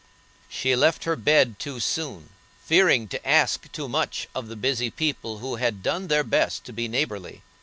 She left her bed too soon, fearing to ask too much of the busy people who had done their best to be neighborly.